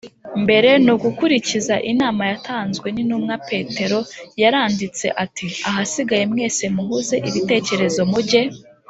mbere ni ugukurikiza inama yatanzwe n intumwa Petero Yaranditse ati ahasigaye mwese muhuze ibitekerezo mujye